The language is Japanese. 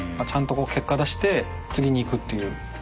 ちゃんとこう結果出して次にいくっていう。